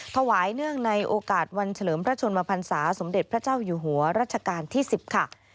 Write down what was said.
เนื่องในโอกาสวันเฉลิมพระชนมพันศาสมเด็จพระเจ้าอยู่หัวรัชกาลที่๑๐ค่ะ